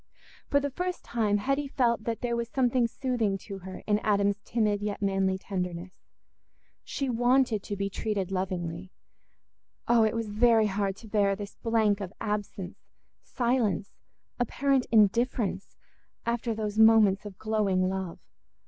For the first time Hetty felt that there was something soothing to her in Adam's timid yet manly tenderness. She wanted to be treated lovingly—oh, it was very hard to bear this blank of absence, silence, apparent indifference, after those moments of glowing love!